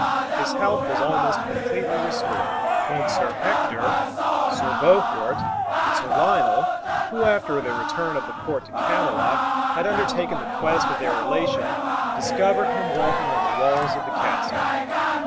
His health was almost completely restored, when Sir Hector, Sir Bohort, and Sir Lionel, who, after the return of the court to Camelot, had undertaken the quest of their relation, discovered him walking on the walls of the castle.